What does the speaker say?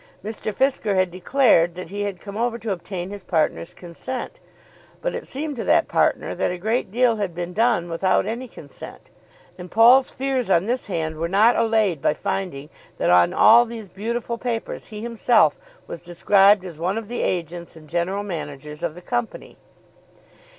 Mr. Fisker had declared that he had come over to obtain his partner's consent, but it seemed to that partner that a great deal had been done without any consent. And Paul's fears on this hand were not allayed by finding that on all these beautiful papers he himself was described as one of the agents and general managers of the company.